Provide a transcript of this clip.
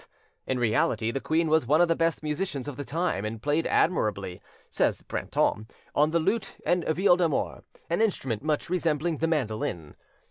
In reality the queen was one of the best musicians of the time, and played admirably, says Brantome, on the lute and viol d'amour, an instrument much resembling the mandolin.